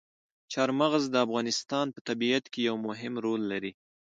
چار مغز د افغانستان په طبیعت کې یو مهم رول لري.